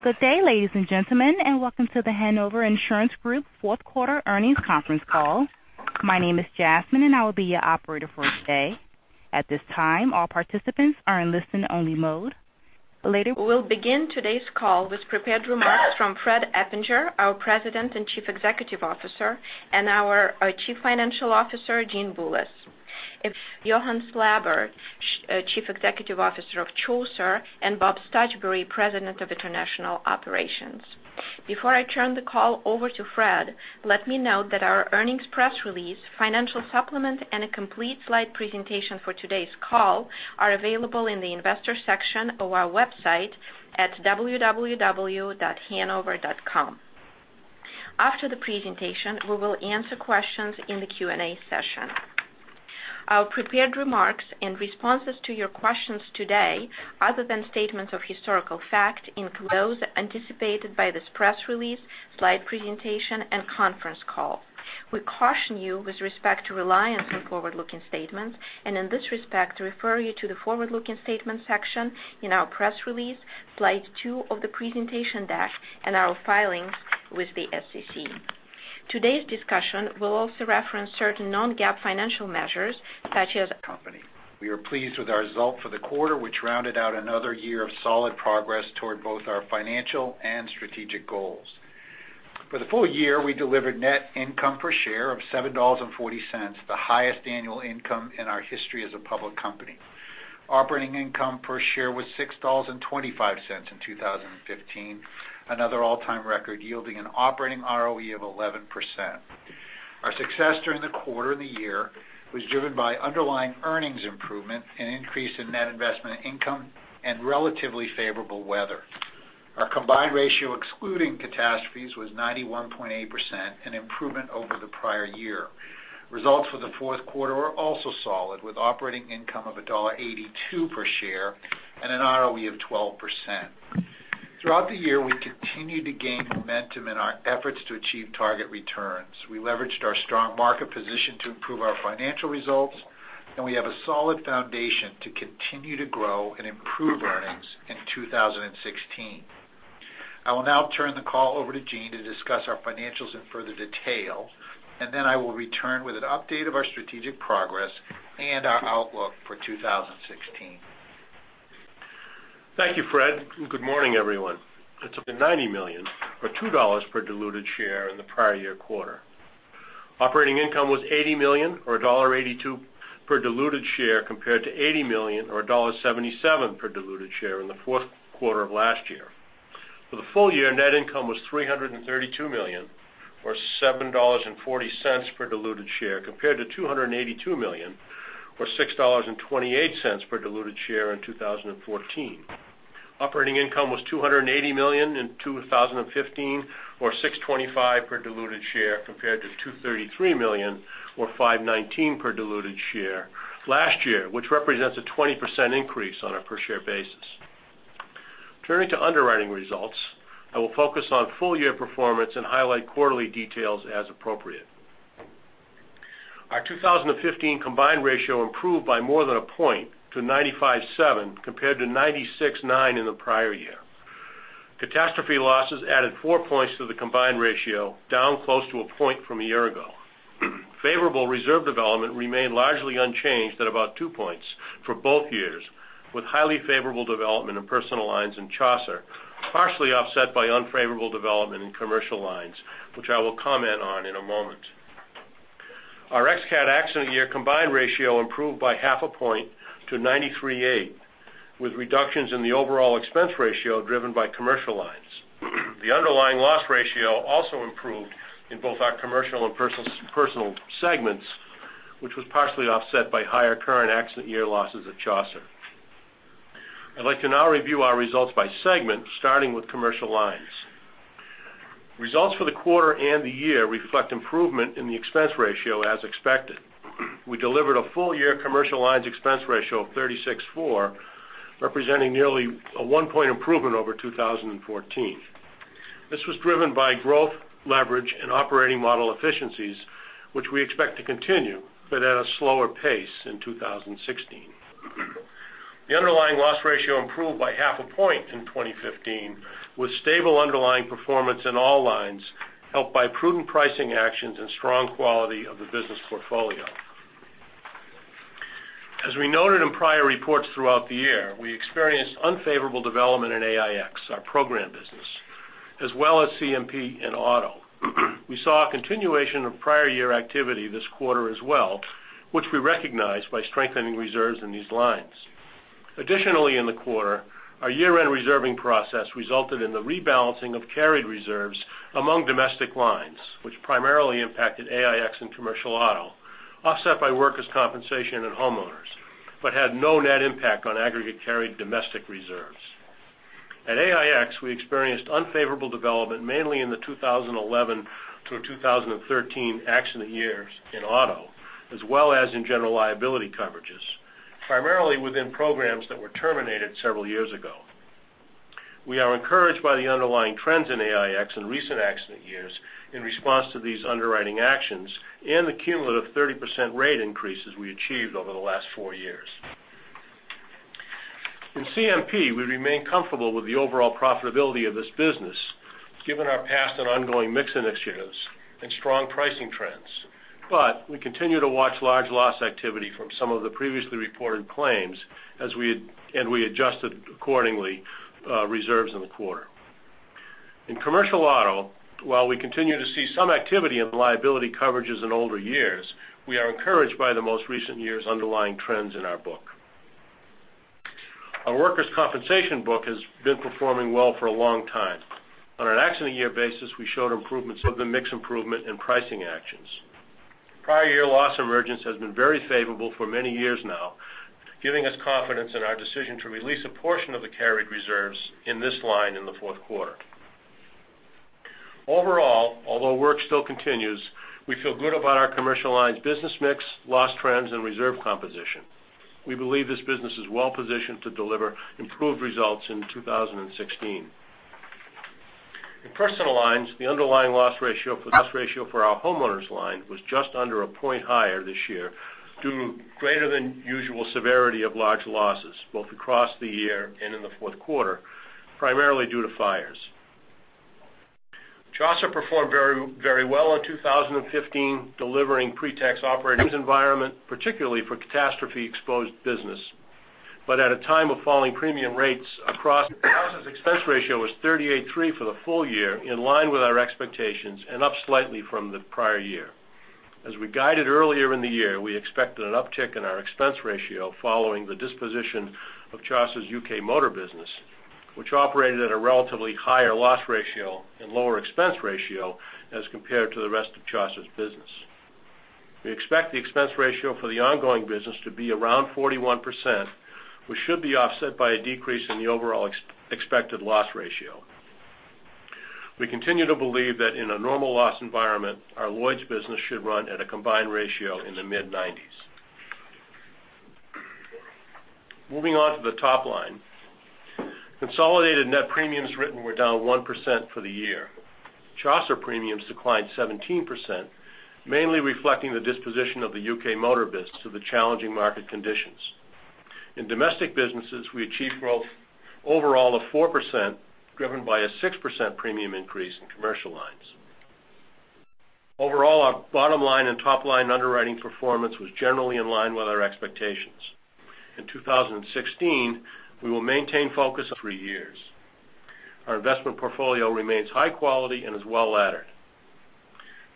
Good day, ladies and gentlemen, and welcome to The Hanover Insurance Group fourth quarter earnings conference call. My name is Jasmine, and I will be your operator for today. At this time, all participants are in listen-only mode. Later We'll begin today's call with prepared remarks from Fred Eppinger, our President and Chief Executive Officer, and our Chief Financial Officer, Gene Bullis. It's John Fowle, Chief Executive Officer of Chaucer, and Bob Stuchbery, President of International Operations. Before I turn the call over to Fred, let me note that our earnings press release, financial supplement, and a complete slide presentation for today's call are available in the investor section of our website at www.hanover.com. After the presentation, we will answer questions in the Q&A session. Our prepared remarks and responses to your questions today, other than statements of historical fact, include those anticipated by this press release, slide presentation, and conference call. We caution you with respect to reliance on forward-looking statements and in this respect, refer you to the forward-looking statement section in our press release, slide two of the presentation deck, and our filings with the SEC. Today's discussion will also reference certain non-GAAP financial measures, such as Company. We are pleased with our result for the quarter, which rounded out another year of solid progress toward both our financial and strategic goals. For the full year, we delivered net income per share of $7.40, the highest annual income in our history as a public company. Operating income per share was $6.25 in 2015, another all-time record yielding an operating ROE of 11%. Our success during the quarter and the year was driven by underlying earnings improvement, an increase in net investment income, and relatively favorable weather. Our combined ratio, excluding catastrophes, was 91.8%, an improvement over the prior year. Results for the fourth quarter are also solid, with operating income of $1.82 per share and an ROE of 12%. Throughout the year, we continued to gain momentum in our efforts to achieve target returns. We leveraged our strong market position to improve our financial results. We have a solid foundation to continue to grow and improve earnings in 2016. I will now turn the call over to Gene to discuss our financials in further detail. Then I will return with an update of our strategic progress and our outlook for 2016. Thank you, Fred. Good morning, everyone. $90 million, or $2 per diluted share in the prior year quarter. Operating income was $80 million or $1.82 per diluted share compared to $80 million or $1.77 per diluted share in the fourth quarter of last year. For the full year, net income was $332 million, or $7.40 per diluted share, compared to $282 million or $6.28 per diluted share in 2014. Operating income was $280 million in 2015, or $6.25 per diluted share, compared to $233 million or $5.19 per diluted share last year, which represents a 20% increase on a per share basis. Turning to underwriting results, I will focus on full year performance and highlight quarterly details as appropriate. Our 2015 combined ratio improved by more than a point to 95.7, compared to 96.9 in the prior year. Catastrophe losses added 4 points to the combined ratio, down close to a point from a year ago. Favorable reserve development remained largely unchanged at about 2 points for both years, with highly favorable development in Personal Lines and Chaucer, partially offset by unfavorable development in Commercial Lines, which I will comment on in a moment. Our ex-cat accident year combined ratio improved by half a point to 93.8, with reductions in the overall expense ratio driven by Commercial Lines. The underlying loss ratio also improved in both our Commercial and Personal segments, which was partially offset by higher current accident year losses at Chaucer. I'd like to now review our results by segment, starting with Commercial Lines. Results for the quarter and the year reflect improvement in the expense ratio as expected. We delivered a full-year Commercial Lines expense ratio of 36.4, representing nearly a 1-point improvement over 2014. This was driven by growth, leverage, and operating model efficiencies, which we expect to continue, but at a slower pace in 2016. The underlying loss ratio improved by half a point in 2015, with stable underlying performance in all lines, helped by prudent pricing actions and strong quality of the business portfolio. As we noted in prior reports throughout the year, we experienced unfavorable development in AIX, our program business, as well as CMP and Auto. We saw a continuation of prior year activity this quarter as well, which we recognized by strengthening reserves in these lines. Additionally, in the quarter, our year-end reserving process resulted in the rebalancing of carried reserves among domestic lines, which primarily impacted AIX and Commercial Auto, offset by workers' compensation and Homeowners, but had no net impact on aggregate carried domestic reserves. At AIX, we experienced unfavorable development, mainly in the 2011 to 2013 accident years in Auto, as well as in general liability coverages, primarily within programs that were terminated several years ago. We are encouraged by the underlying trends in AIX in recent accident years in response to these underwriting actions and the cumulative 30% rate increases we achieved over the last four years. In CMP, we remain comfortable with the overall profitability of this business, given our past and ongoing mix initiatives and strong pricing trends. We continue to watch large loss activity from some of the previously reported claims, and we adjusted accordingly reserves in the quarter. In Commercial Auto, while we continue to see some activity in liability coverages in older years, we are encouraged by the most recent year's underlying trends in our book. Our workers' compensation book has been performing well for a long time. On an accident year basis, we showed improvements with the mix improvement and pricing actions. Prior year loss emergence has been very favorable for many years now, giving us confidence in our decision to release a portion of the carried reserves in this line in the fourth quarter. Overall, although work still continues, we feel good about our commercial lines business mix, loss trends, and reserve composition. We believe this business is well-positioned to deliver improved results in 2016. In personal lines, the underlying loss ratio for our Homeowners line was just under a point higher this year, due to greater than usual severity of large losses, both across the year and in the fourth quarter, primarily due to fires. Chaucer performed very well in 2015, delivering environment, particularly for catastrophe-exposed business. At a time of falling premium rates, Chaucer's expense ratio was 38.3% for the full year, in line with our expectations, and up slightly from the prior year. As we guided earlier in the year, we expected an uptick in our expense ratio following the disposition of Chaucer's UK motor business, which operated at a relatively higher loss ratio and lower expense ratio as compared to the rest of Chaucer's business. We expect the expense ratio for the ongoing business to be around 41%, which should be offset by a decrease in the overall expected loss ratio. We continue to believe that in a normal loss environment, our Lloyd's business should run at a combined ratio in the mid-90s. Moving on to the top line. Consolidated net premiums written were down 1% for the year. Chaucer premiums declined 17%, mainly reflecting the disposition of the UK motor business to the challenging market conditions. In domestic businesses, we achieved growth overall of 4%, driven by a 6% premium increase in commercial lines. Overall, our bottom line and top-line underwriting performance was generally in line with our expectations. In 2016, we will maintain focus. Our investment portfolio remains high quality and is well-laddered.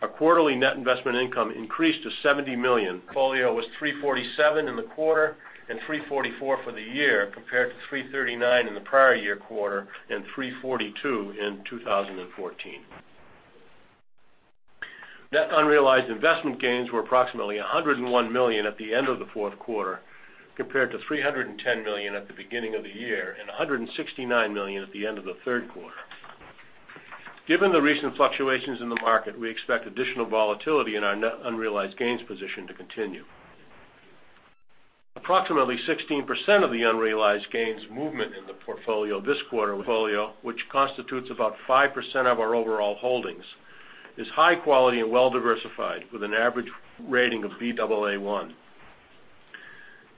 Our quarterly net investment income increased to $70 million. The portfolio was $347 million in the quarter and $344 million for the year, compared to $339 million in the prior year quarter and $342 million in 2014. Net unrealized investment gains were approximately $101 million at the end of the fourth quarter, compared to $310 million at the beginning of the year and $169 million at the end of the third quarter. Given the recent fluctuations in the market, we expect additional volatility in our net unrealized gains position to continue. Approximately 16% of the unrealized gains movement in the portfolio this quarter, which constitutes about 5% of our overall holdings, is high quality and well-diversified, with an average rating of Baa1.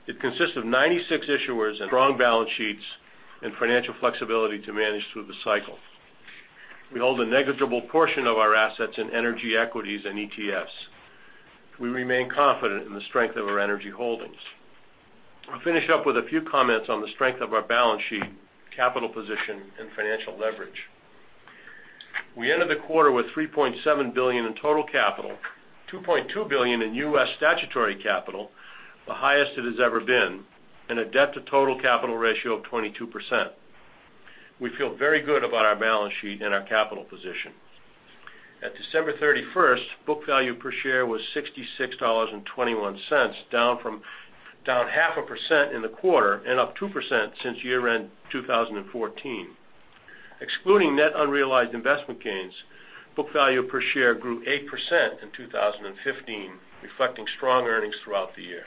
It consists of 96 issuers and strong balance sheets and financial flexibility to manage through the cycle. We hold a negligible portion of our assets in energy equities and ETFs. We remain confident in the strength of our energy holdings. I'll finish up with a few comments on the strength of our balance sheet, capital position, and financial leverage. We ended the quarter with $3.7 billion in total capital, $2.2 billion in U.S. statutory capital, the highest it has ever been, and a debt to total capital ratio of 22%. We feel very good about our balance sheet and our capital position. At December 31st, book value per share was $66.21, down 0.5% in the quarter and up 2% since year-end 2014. Excluding net unrealized investment gains, book value per share grew 8% in 2015, reflecting strong earnings throughout the year.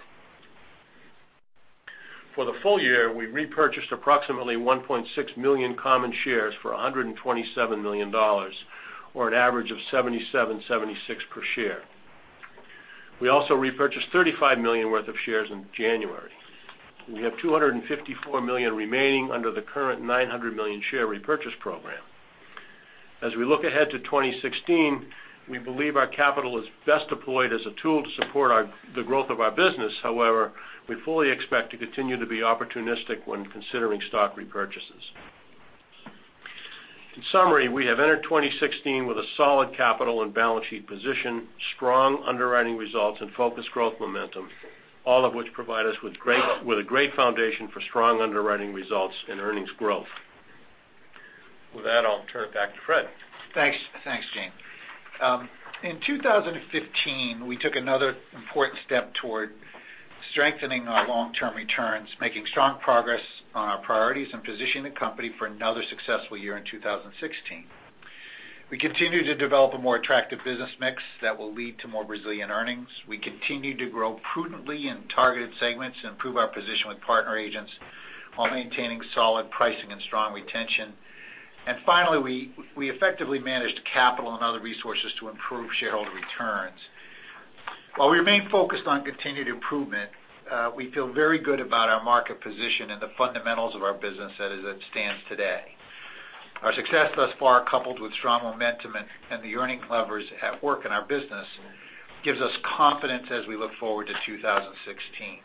For the full year, we repurchased approximately 1.6 million common shares for $127 million, or an average of $77.76 per share. We also repurchased $35 million worth of shares in January. We have $254 million remaining under the current $900 million share repurchase program. As we look ahead to 2016, we believe our capital is best deployed as a tool to support the growth of our business. However, we fully expect to continue to be opportunistic when considering stock repurchases. In summary, we have entered 2016 with a solid capital and balance sheet position, strong underwriting results, and focused growth momentum, all of which provide us with a great foundation for strong underwriting results and earnings growth. With that, I'll turn it back to Fred. Thanks, Gene. In 2015, we took another important step toward strengthening our long-term returns, making strong progress on our priorities, and positioning the company for another successful year in 2016. We continue to develop a more attractive business mix that will lead to more resilient earnings. We continue to grow prudently in targeted segments and improve our position with partner agents while maintaining solid pricing and strong retention. Finally, we effectively managed capital and other resources to improve shareholder returns. While we remain focused on continued improvement, we feel very good about our market position and the fundamentals of our business as it stands today. Our success thus far, coupled with strong momentum and the earning levers at work in our business, gives us confidence as we look forward to 2016.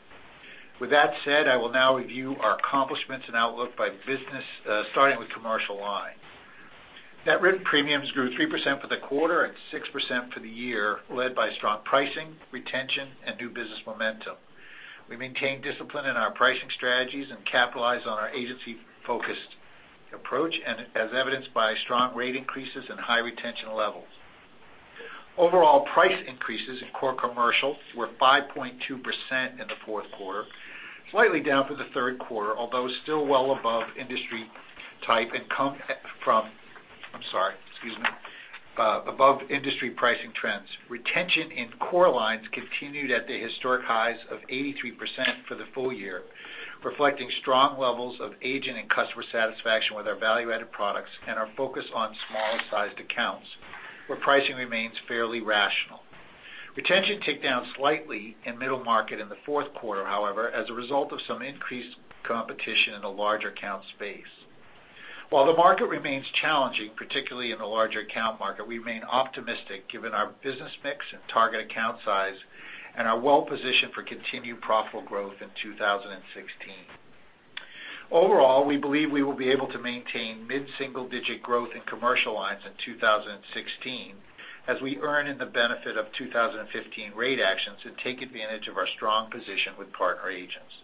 With that said, I will now review our accomplishments and outlook by business, starting with Commercial Line. Net written premiums grew 3% for the quarter and 6% for the year, led by strong pricing, retention, and new business momentum. We maintained discipline in our pricing strategies and capitalized on our agency-focused approach, as evidenced by strong rate increases and high retention levels. Overall price increases in core commercial were 5.2% in the fourth quarter, slightly down from the third quarter, although still well above industry pricing trends. Retention in core lines continued at the historic highs of 83% for the full year, reflecting strong levels of agent and customer satisfaction with our value-added products and our focus on smaller-sized accounts, where pricing remains fairly rational. Retention ticked down slightly in middle market in the fourth quarter, however, as a result of some increased competition in the larger account space. While the market remains challenging, particularly in the larger account market, we remain optimistic given our business mix and target account size, and are well-positioned for continued profitable growth in 2016. Overall, we believe we will be able to maintain mid-single-digit growth in commercial lines in 2016 as we earn in the benefit of 2015 rate actions and take advantage of our strong position with partner agents.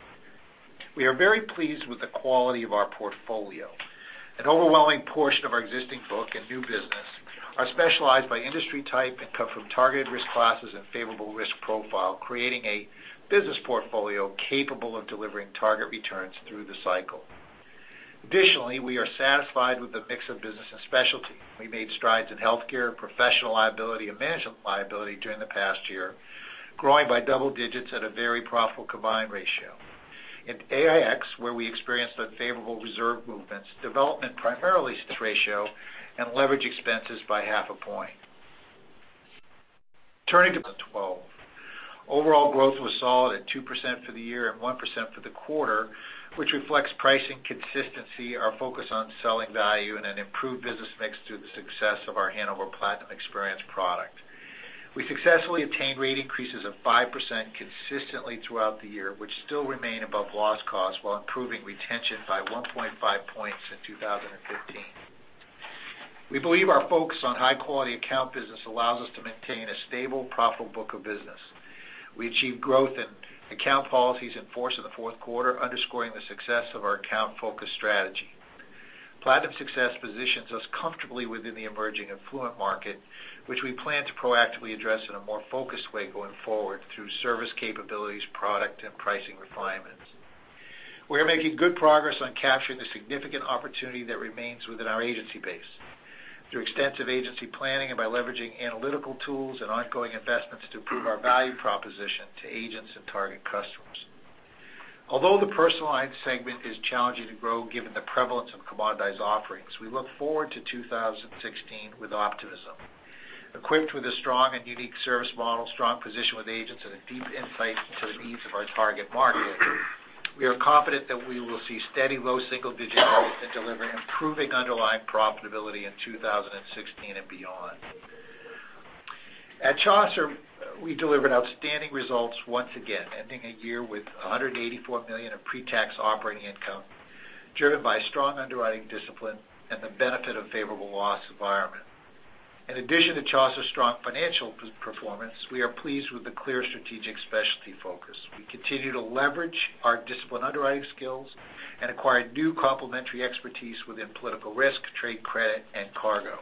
We are very pleased with the quality of our portfolio. An overwhelming portion of our existing book and new business are specialized by industry type and come from targeted risk classes and favorable risk profile, creating a business portfolio capable of delivering target returns through the cycle. Additionally, we are satisfied with the mix of business and specialty. We made strides in Hanover Healthcare, professional liability, and management liability during the past year, growing by double digits at a very profitable combined ratio. In AIX, where we experienced unfavorable reserve movements, development primarily set ratio and leverage expenses by half a point. Turning to the 12. Overall growth was solid at 2% for the year and 1% for the quarter, which reflects pricing consistency, our focus on selling value, and an improved business mix through the success of our The Hanover Platinum Experience product. We successfully obtained rate increases of 5% consistently throughout the year, which still remain above loss cost while improving retention by 1.5 points in 2015. We believe our focus on high-quality account business allows us to maintain a stable, profitable book of business. We achieved growth in account policies in force in the fourth quarter, underscoring the success of our account-focused strategy. Platinum success positions us comfortably within the emerging affluent market, which we plan to proactively address in a more focused way going forward through service capabilities, product, and pricing refinements. We are making good progress on capturing the significant opportunity that remains within our agency base through extensive agency planning and by leveraging analytical tools and ongoing investments to improve our value proposition to agents and target customers. Although the personal lines segment is challenging to grow given the prevalence of commoditized offerings, we look forward to 2016 with optimism. Equipped with a strong and unique service model, strong position with agents, and a deep insight into the needs of our target market, we are confident that we will see steady low single-digit growth and deliver improving underlying profitability in 2016 and beyond. At Chaucer, we delivered outstanding results once again, ending a year with $184 million of pre-tax operating income, driven by strong underwriting discipline and the benefit of favorable loss environment. In addition to Chaucer's strong financial performance, we are pleased with the clear strategic specialty focus. We continue to leverage our disciplined underwriting skills and acquire new complementary expertise within Political risk, Trade credit, and Cargo.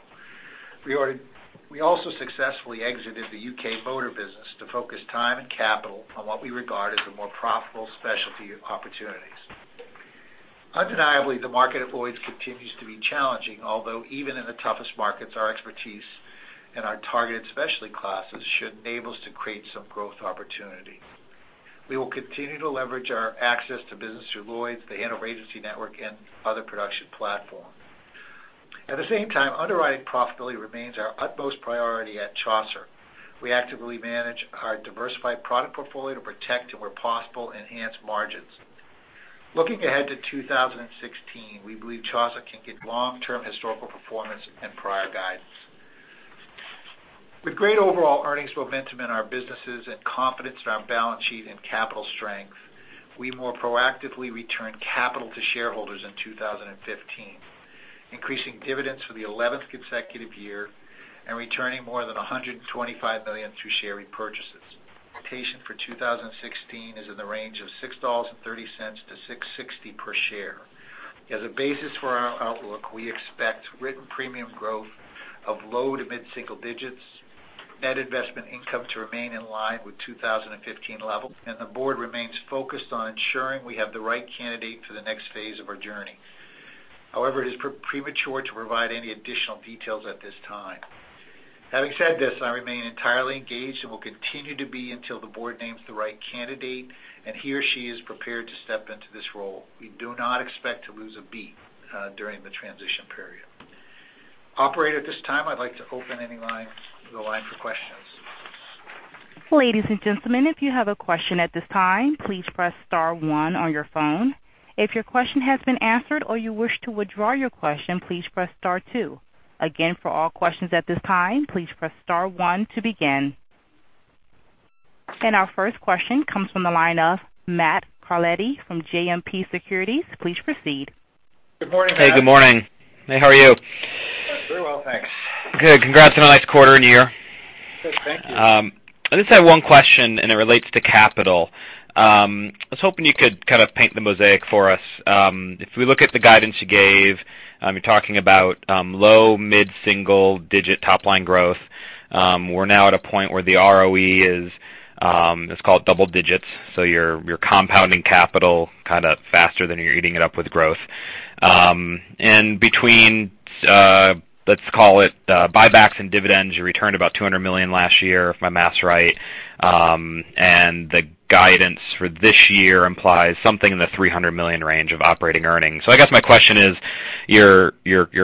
We also successfully exited the U.K. motor business to focus time and capital on what we regard as the more profitable specialty opportunities. Undeniably, the market at Lloyd's continues to be challenging, although even in the toughest markets, our expertise and our targeted specialty classes should enable us to create some growth opportunity. We will continue to leverage our access to business through Lloyd's, The Hanover Agency network, and other production platforms. At the same time, underwriting profitability remains our utmost priority at Chaucer. We actively manage our diversified product portfolio to protect and where possible, enhance margins. Looking ahead to 2016, we believe Chaucer can get long-term historical performance and prior guidance. With great overall earnings momentum in our businesses and confidence in our balance sheet and capital strength, we more proactively returned capital to shareholders in 2015, increasing dividends for the 11th consecutive year and returning more than $125 million through share repurchases. for 2016 is in the range of $6.30 to $6.60 per share. As a basis for our outlook, we expect written premium growth of low to mid-single digits, net investment income to remain in line with 2015 level, and The Board remains focused on ensuring we have the right candidate for the next phase of our journey. It is premature to provide any additional details at this time. Having said this, I remain entirely engaged and will continue to be until The Board names the right candidate and he or she is prepared to step into this role. We do not expect to lose a beat during the transition period. Operator, at this time I'd like to open any line for questions. Ladies and gentlemen, if you have a question at this time, please press star one on your phone. If your question has been answered or you wish to withdraw your question, please press star two. Again, for all questions at this time, please press star one to begin. Our first question comes from the line of Matthew Carletti from JMP Securities. Please proceed. Good morning, Matt. Hey. Good morning. Hey, how are you? Very well, thanks. Good. Congrats on a nice quarter and year. Thank you. I just have one question and it relates to capital. I was hoping you could kind of paint the mosaic for us. If we look at the guidance you gave, you're talking about low mid-single digit top-line growth. We're now at a point where the ROE is, let's call it double digits. You're compounding capital kind of faster than you're eating it up with growth. Between, let's call it buybacks and dividends, you returned about $200 million last year, if my math's right. The guidance for this year implies something in the $300 million range of operating earnings. I guess my question is, you're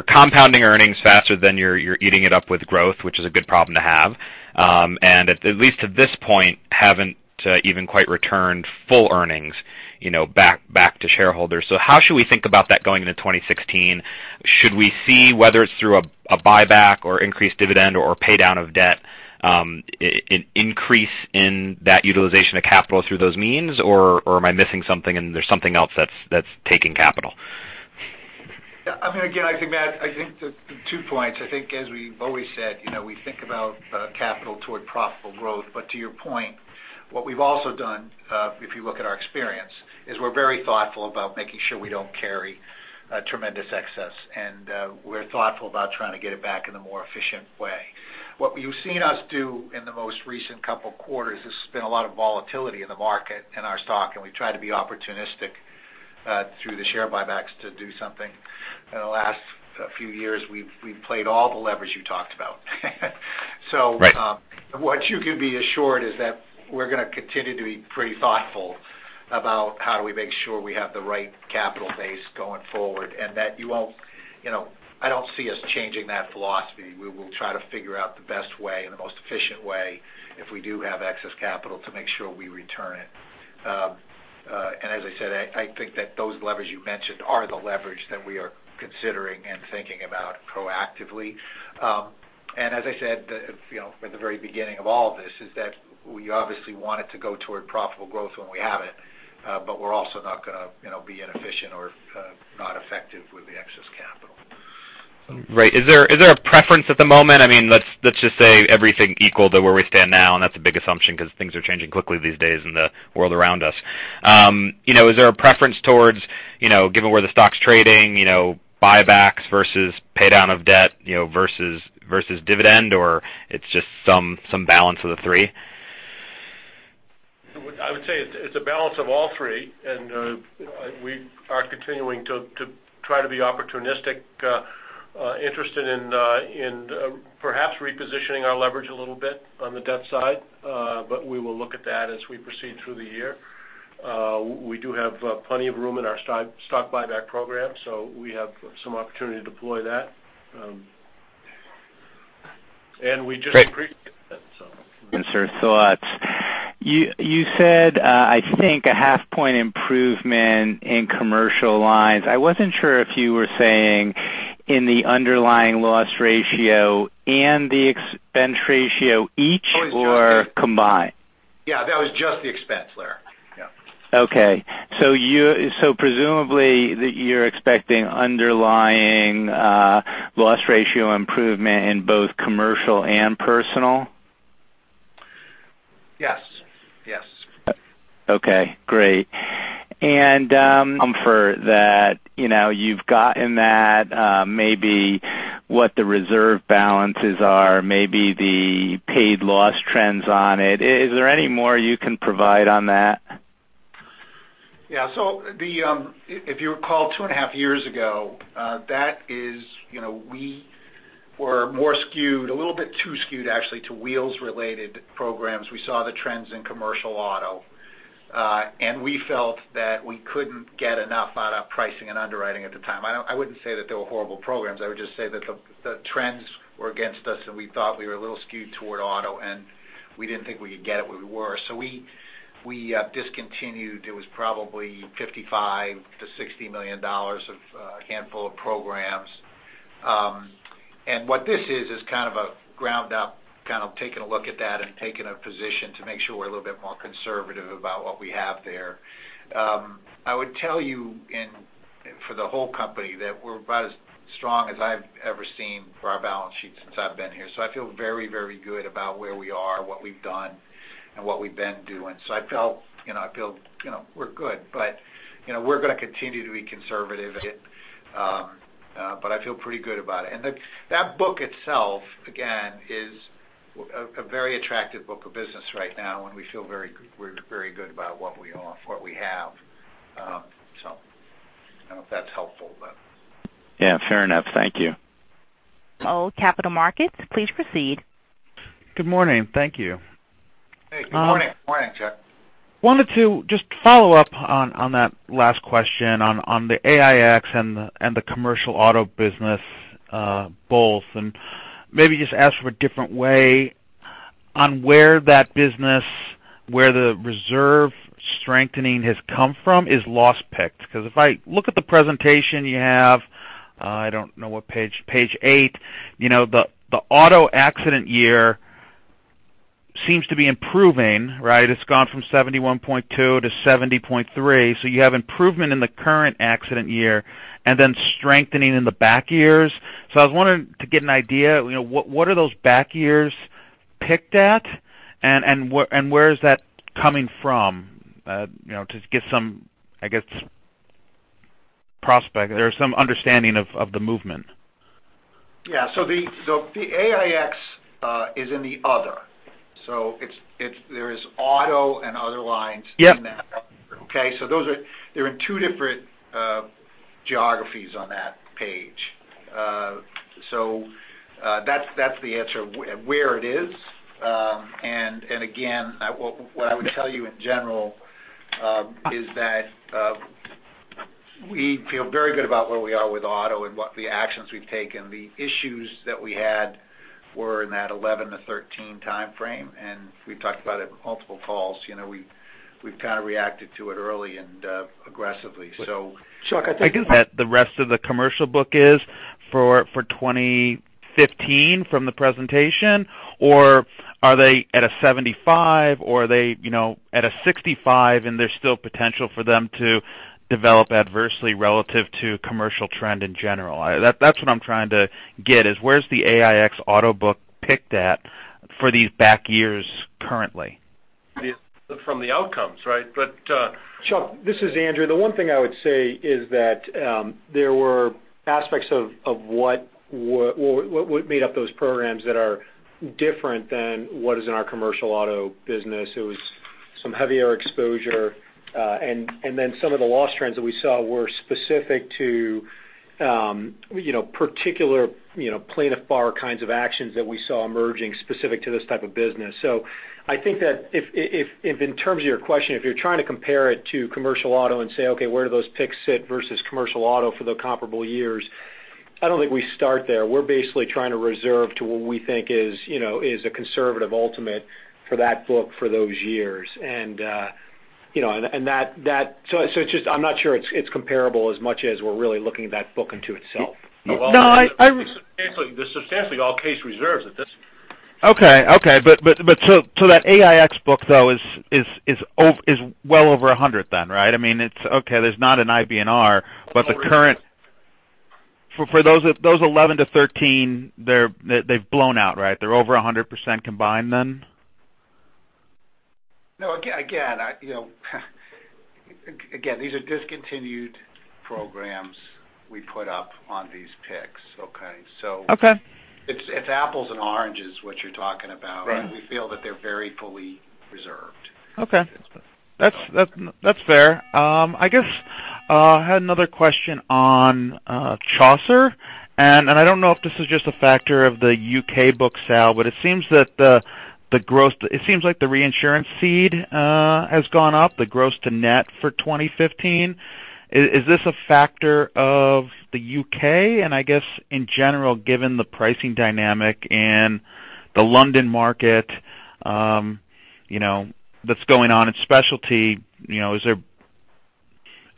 compounding earnings faster than you're eating it up with growth, which is a good problem to have. At least to this point, haven't even quite returned full earnings back to shareholders. How should we think about that going into 2016? Should we see whether it's through a buyback or increased dividend or pay down of debt, an increase in that utilization of capital through those means? Am I missing something and there's something else that's taking capital? I think, Matt, I think the two points, I think as we've always said, we think about capital toward profitable growth. To your point, what we've also done, if you look at our experience, is we're very thoughtful about making sure we don't carry tremendous excess. We're thoughtful about trying to get it back in a more efficient way. What you've seen us do in the most recent couple of quarters, there's been a lot of volatility in the market in our stock, we try to be opportunistic through the share buybacks to do something. In the last few years, we've played all the leverage you talked about. Right. What you can be assured is that we're going to continue to be pretty thoughtful about how do we make sure we have the right capital base going forward, and that I don't see us changing that philosophy. We will try to figure out the best way and the most efficient way if we do have excess capital to make sure we return it. As I said, I think that those levers you mentioned are the leverage that we are considering and thinking about proactively. As I said at the very beginning of all this, is that we obviously want it to go toward profitable growth when we have it. We're also not going to be inefficient or not effective with the excess capital. Right. Is there a preference at the moment? Let's just say everything equal to where we stand now, that's a big assumption because things are changing quickly these days in the world around us. Is there a preference towards, given where the stock's trading, buybacks versus pay down of debt versus dividend? It's just some balance of the three? I would say it's a balance of all three, we are continuing to try to be opportunistic, interested in perhaps repositioning our leverage a little bit on the debt side. We will look at that as we proceed through the year. We do have plenty of room in our stock buyback program, we have some opportunity to deploy that. We just agreed to that. Sir, thoughts. You said, I think a half point improvement in commercial lines. I wasn't sure if you were saying in the underlying loss ratio and the expense ratio each or combined? Yeah. That was just the expense there. Yeah. Okay. Presumably you're expecting underlying loss ratio improvement in both commercial and personal? Yes. Okay, great. Comfort that you've gotten that maybe what the reserve balances are, maybe the paid loss trends on it. Is there any more you can provide on that? If you recall, two and a half years ago, that is we were more skewed, a little bit too skewed, actually, to wheels-related programs. We saw the trends in Commercial Auto. We felt that we couldn't get enough out of pricing and underwriting at the time. I wouldn't say that they were horrible programs. I would just say that the trends were against us, and we thought we were a little skewed toward Auto, and we didn't think we could get it where we were. We discontinued, it was probably $55 million-$60 million of a handful of programs. What this is kind of a ground-up, kind of taking a look at that and taking a position to make sure we're a little bit more conservative about what we have there. I would tell you, and for the whole company, that we're about as strong as I've ever seen for our balance sheet since I've been here. I feel very, very good about where we are, what we've done, and what we've been doing. I feel we're good. We're going to continue to be conservative at it, but I feel pretty good about it. That book itself, again, is a very attractive book of business right now, and we feel very good about what we have. I don't know if that's helpful, but Yeah, fair enough. Thank you. Paul, Capital Markets, please proceed. Good morning. Thank you. Hey, good morning, Chuck. I wanted to just follow up on that last question on the AIX and the Commercial Auto business both, and maybe just ask for a different way on where that business, where the reserve strengthening has come from is loss picked. Because if I look at the presentation you have, I don't know what page eight, the Auto Accident Year seems to be improving, right? It's gone from 71.2 to 70.3. You have improvement in the current accident year and then strengthening in the back years. I was wanting to get an idea, what are those back years picked at and where is that coming from? To get some, I guess, prospect or some understanding of the movement. Yeah. The AIX is in the other. There is Auto and other lines. Yeah in that. Okay? They're in two different geographies on that page. That's the answer where it is. Again, what I would tell you in general, is that we feel very good about where we are with Auto and what the actions we've taken. The issues that we had were in that 2011-2013 timeframe. We've talked about it multiple calls. We've kind of reacted to it early and aggressively, Chuck, I think that the rest of the commercial book is for 2015 from the presentation, or are they at a 75% or are they at a 65% and there's still potential for them to develop adversely relative to commercial trend in general? That's what I'm trying to get is where's the AIX Auto book picked at for these back years currently? From the outcomes, right? Chuck, this is Andrew. The one thing I would say is that there were aspects of what made up those programs that are different than what is in our Commercial Auto business. It was some heavier exposure. Then some of the loss trends that we saw were specific to particular plaintiff bar kinds of actions that we saw emerging specific to this type of business. I think that if in terms of your question, if you're trying to compare it to Commercial Auto and say, okay, where do those picks sit versus Commercial Auto for the comparable years, I don't think we start there. We're basically trying to reserve to what we think is a conservative ultimate for that book for those years. It's just, I'm not sure it's comparable as much as we're really looking at that book into itself. No. They're substantially all case reserves at this. Okay. That AIX book, though, is well over 100 then, right? I mean, it's okay. There's not an IBNR, but the current, for those 2011 to 2013, they've blown out, right? They're over 100% combined then? No, again, these are discontinued programs we put up on these picks. Okay? Okay. It's apples and oranges, what you're talking about. Right. We feel that they're very fully reserved. Okay. That's fair. I guess, I had another question on Chaucer, and I don't know if this is just a factor of the U.K. book, Sal, but it seems like the reinsurance cede has gone up, the gross to net for 2015. Is this a factor of the U.K.? I guess in general, given the pricing dynamic and the London market that's going on in specialty, is there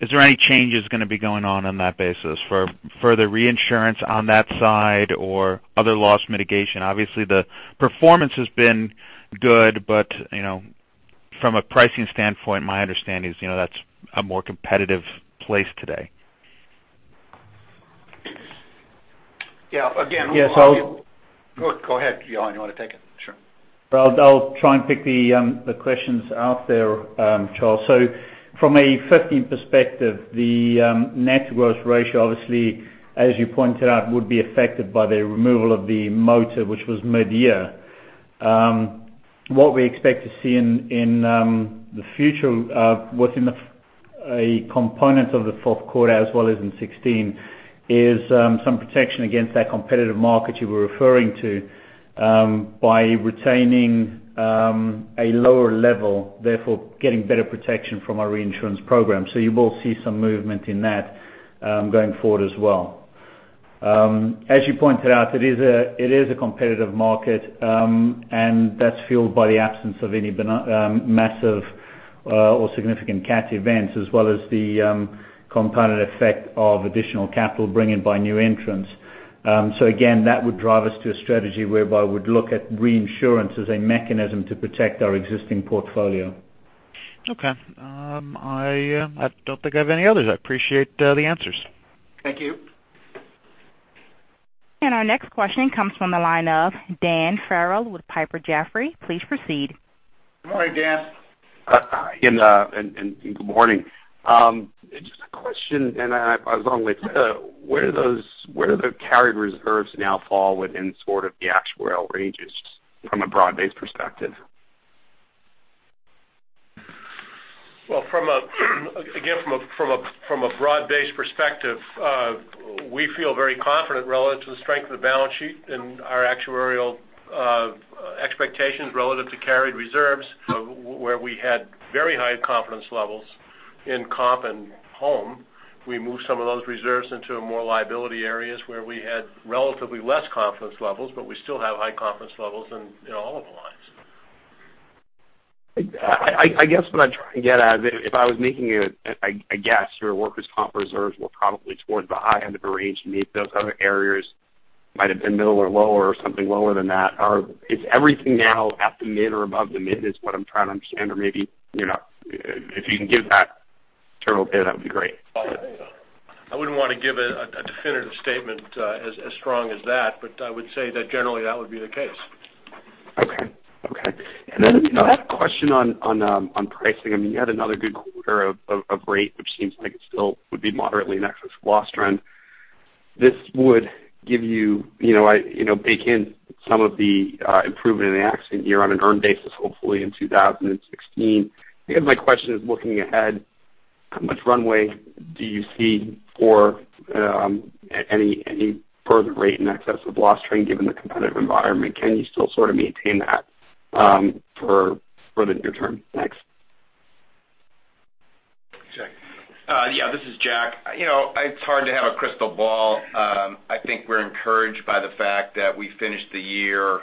any changes going to be going on that basis for further reinsurance on that side or other loss mitigation? Obviously, the performance has been good, from a pricing standpoint, my understanding is that's a more competitive place today. Yeah. Yes. Go ahead, John. You want to take it? Sure. I'll try and pick the questions out there, Charles. From a 2015 perspective, the net to gross ratio, obviously, as you pointed out, would be affected by the removal of the motor, which was mid-year. What we expect to see in the future within a component of the fourth quarter as well as in 2016 is some protection against that competitive market you were referring to by retaining a lower level, therefore getting better protection from our reinsurance program. You will see some movement in that going forward as well. As you pointed out, it is a competitive market, and that's fueled by the absence of any massive or significant cat events as well as the component effect of additional capital bring in by new entrants. Again, that would drive us to a strategy whereby we'd look at reinsurance as a mechanism to protect our existing portfolio. Okay. I don't think I have any others. I appreciate the answers. Thank you. Our next question comes from the line of Dan Farrell with Piper Jaffray. Please proceed. Good morning, Dan. Good morning. Just a question, where do the carried reserves now fall within sort of the actuarial ranges from a broad-based perspective? Well, again, from a broad-based perspective, we feel very confident relative to the strength of the balance sheet and our actuarial expectations relative to carried reserves, where we had very high confidence levels in comp and home. We moved some of those reserves into more liability areas where we had relatively less confidence levels, but we still have high confidence levels in all of the lines. I guess what I'm trying to get at is if I was making a guess, your workers' comp reserves were probably towards the high end of the range. Maybe those other areas might have been middle or lower or something lower than that. Is everything now at the mid or above the mid, is what I'm trying to understand, or maybe if you can give that general picture, that would be great? I wouldn't want to give a definitive statement as strong as that. I would say that generally that would be the case. Okay. Then a question on pricing. I mean, you had another good quarter of rate, which seems like it still would be moderately in excess of loss trend. This would give you, bake in some of the improvement in the accident year on an earned basis, hopefully in 2016. I guess my question is looking ahead, how much runway do you see for any further rate in excess of loss trend given the competitive environment? Can you still sort of maintain that for the near term? Thanks. Jack. Yeah, this is Jack. It's hard to have a crystal ball. I think we're encouraged by the fact that we finished the year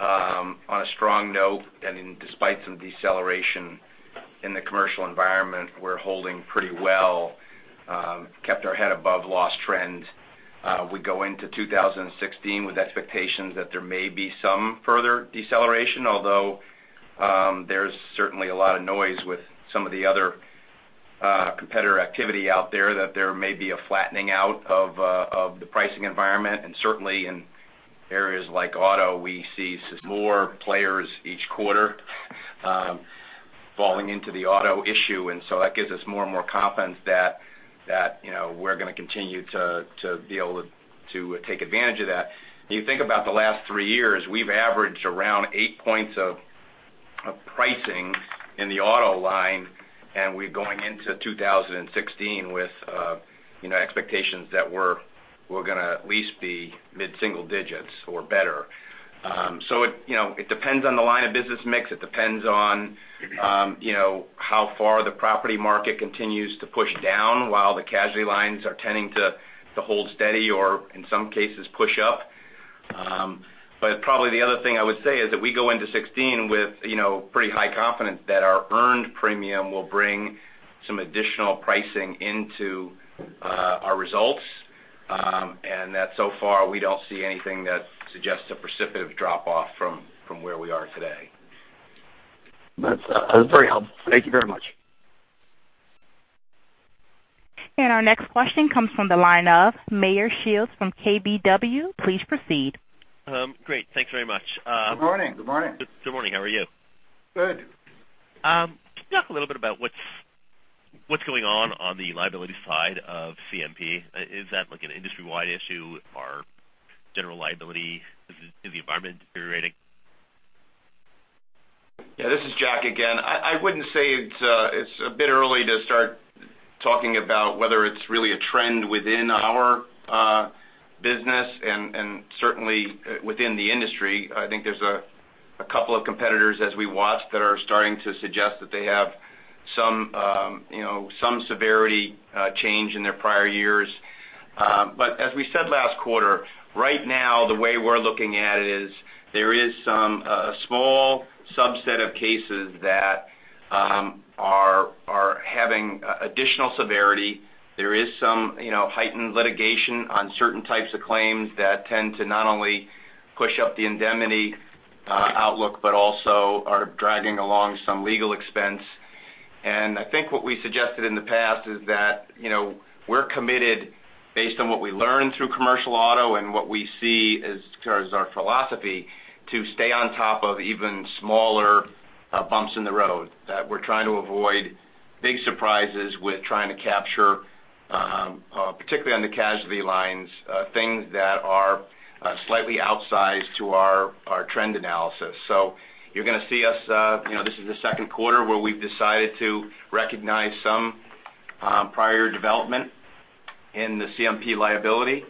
on a strong note. Despite some deceleration in the commercial environment, we're holding pretty well, kept our head above loss trend. We go into 2016 with expectations that there may be some further deceleration, although there's certainly a lot of noise with some of the other competitor activity out there that there may be a flattening out of the pricing environment. Certainly in areas like Auto, we see more players each quarter falling into the Auto issue. That gives us more and more confidence that we're going to continue to be able to take advantage of that. You think about the last three years, we've averaged around eight points of pricing in the Auto line. We're going into 2016 with expectations that we're going to at least be mid-single digits or better. It depends on the line of business mix. It depends on how far the property market continues to push down while the casualty lines are tending to hold steady or, in some cases, push up. Probably the other thing I would say is that we go into 2016 with pretty high confidence that our earned premium will bring some additional pricing into our results, and that so far we don't see anything that suggests a precipitous drop-off from where we are today. That's very helpful. Thank you very much. Our next question comes from the line of Meyer Shields from KBW. Please proceed. Great. Thanks very much. Good morning. Good morning. Good morning. How are you? Good. Talk a little bit about what's going on on the liability side of CMP. Is that like an industry-wide issue or general liability? Is the environment deteriorating? Yeah, this is Jack again. I wouldn't say it's a bit early to start talking about whether it's really a trend within our business and certainly within the industry. I think there's a couple of competitors as we watch that are starting to suggest that they have some severity change in their prior years. As we said last quarter, right now the way we're looking at it is there is some small subset of cases that are having additional severity. There is some heightened litigation on certain types of claims that tend to not only push up the indemnity outlook, but also are dragging along some legal expense. I think what we suggested in the past is that we're committed based on what we learn through Commercial Auto and what we see as far as our philosophy to stay on top of even smaller bumps in the road. That we're trying to avoid big surprises with trying to capture, particularly on the casualty lines, things that are slightly outsized to our trend analysis. You're going to see us, this is the second quarter where we've decided to recognize some prior development in the CMP liability.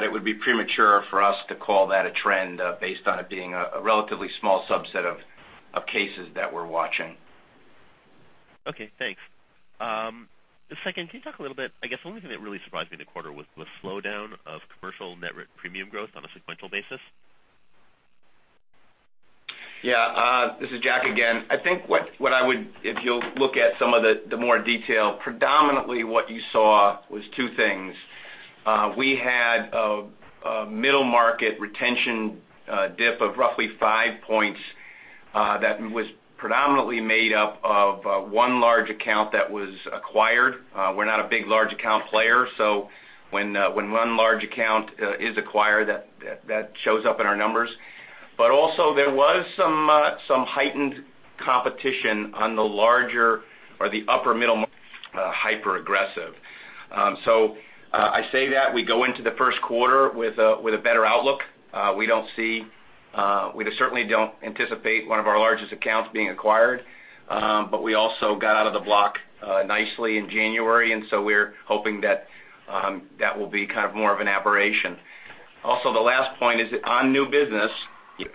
It would be premature for us to call that a trend based on it being a relatively small subset of cases that we're watching. Okay, thanks. Second, can you talk a little bit, I guess one thing that really surprised me this quarter was the slowdown of commercial net premium growth on a sequential basis. Yeah, this is Jack again. I think if you'll look at some of the more detail, predominantly what you saw was two things. We had a middle market retention dip of roughly five points that was predominantly made up of one large account that was acquired. We're not a big large account player, so when one large account is acquired, that shows up in our numbers. Also, there was some heightened competition on the larger or the upper middle hyper aggressive. I say that we go into the first quarter with a better outlook. We certainly don't anticipate one of our largest accounts being acquired, but we also got out of the block nicely in January, and so we're hoping that will be kind of more of an aberration. Also, the last point is on new business, you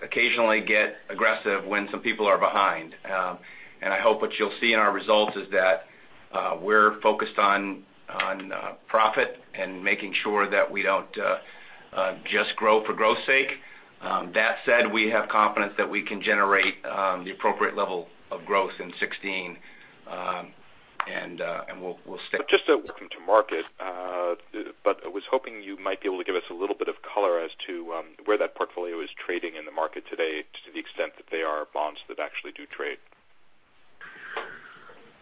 occasionally get aggressive when some people are behind. I hope what you'll see in our results is that we're focused on profit and making sure that we don't just grow for growth's sake. That said, we have confidence that we can generate the appropriate level of growth in 2016. Just looking to market, but I was hoping you might be able to give us a little bit of color as to where that portfolio is trading in the market today to the extent that they are bonds that actually do trade.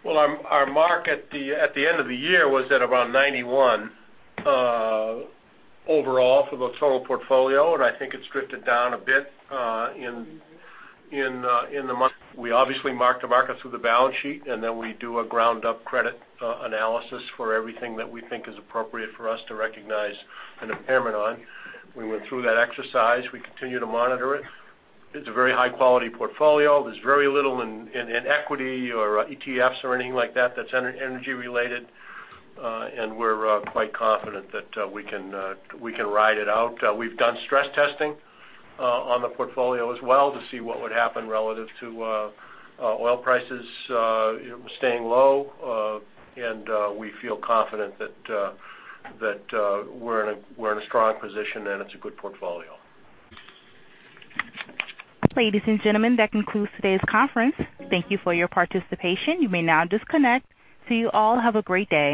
Well, our mark at the end of the year was at around 91 overall for the total portfolio, and I think it's drifted down a bit in the month. We obviously mark-to-market through the balance sheet, and then we do a ground-up credit analysis for everything that we think is appropriate for us to recognize an impairment on. We went through that exercise. We continue to monitor it. It's a very high-quality portfolio. There's very little in equity or ETFs or anything like that that's energy-related. We're quite confident that we can ride it out. We've done stress testing on the portfolio as well to see what would happen relative to oil prices staying low. We feel confident that we're in a strong position, and it's a good portfolio. Ladies and gentlemen, that concludes today's conference. Thank you for your participation. You may now disconnect. You all have a great day